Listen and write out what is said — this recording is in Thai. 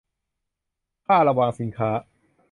ค่าระวางสินค้า